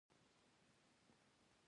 یوه پاکي چاړه راکړئ